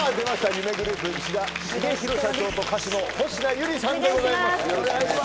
夢グループ石田重廣社長と歌手の保科有里さんでございますお願いします